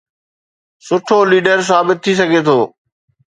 سٺو ليڊر ثابت ٿي سگهي ٿو؟